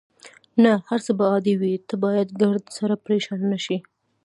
نه، هر څه به عادي وي، ته باید ګردسره پرېشانه نه شې.